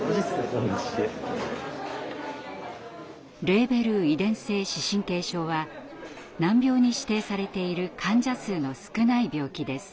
レーベル遺伝性視神経症は難病に指定されている患者数の少ない病気です。